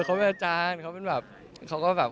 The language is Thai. เขาเป็นอาจารย์เขาก็แบบ